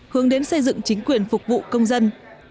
hướng đến xây dựng chính quyền phục vụ công dân